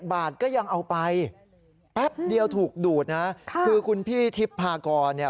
บาทก็ยังเอาไปแป๊บเดียวถูกดูดนะคือคุณพี่ทิพย์พากรเนี่ย